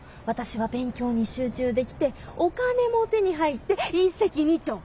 私は勉強に集中できてお金も手に入って一石二鳥。